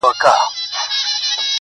د ملا لوري نصيحت مه كوه